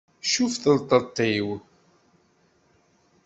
Tcuf telteṭ-iw.